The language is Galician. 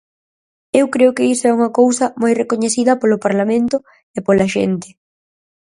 Eu creo que iso é unha cousa moi recoñecida polo Parlamento e pola xente.